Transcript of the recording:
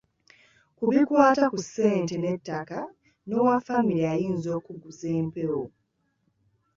Ku bikwata ku ssente n’ettaka, n’owa ffamire ayinza okukuguza empewo.